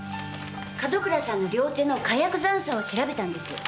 門倉さんの両手の火薬残渣を調べたんです。